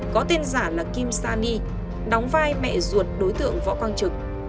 có tên giả là kim sa ni đóng vai mẹ ruột đối tượng võ quang trực